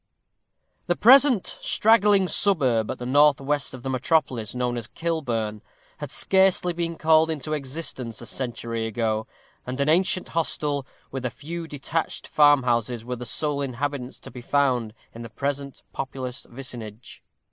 _ The present straggling suburb at the north west of the metropolis, known as Kilburn, had scarcely been called into existence a century ago, and an ancient hostel, with a few detached farmhouses, were the sole habitations to be found in the present populous vicinage.